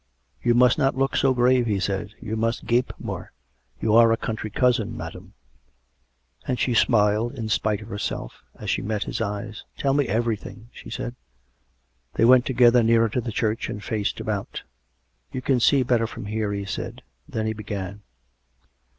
" You must not look so grave," he said, " you must gape more. You are a country cousin, madam." COME RACK! COME ROPE! 159 And she smiled in spite of herself, as she met his eyes. " Tell me everjrthing/' she said. They went together nearer to the church, and faced about. " We can see better from here," he said. Then he began.